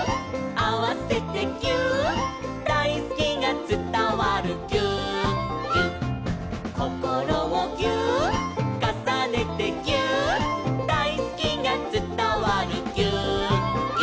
「あわせてぎゅーっ」「だいすきがつたわるぎゅーっぎゅっ」「こころをぎゅーっ」「かさねてぎゅーっ」「だいすきがつたわるぎゅーっぎゅっ」